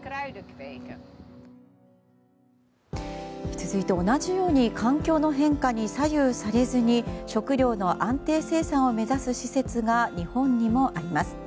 続いて、同じように環境の変化に左右されずに食料の安定生産を目指す施設が日本にもあります。